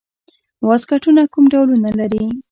واسکټونه کوم ډولونه لري؟